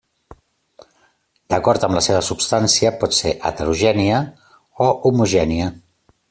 D'acord amb la seva substància pot ser: heterogènia o homogènia.